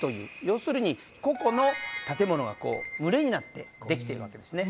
要するに個々の建ものが群れになってできているわけですね。